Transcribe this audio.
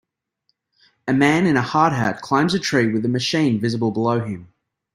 A man in a hard hat climbs a tree with a machine visible below him.